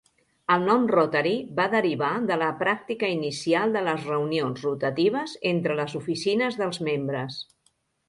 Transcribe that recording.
El nom Rotary va derivar de la pràctica inicial de les reunions rotatives entre les oficines dels membres.